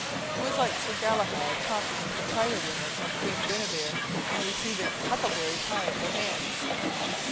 It was like Sir Galahad talking with the tire women of Queen Guinevere and receiving huckleberry pie at their hands.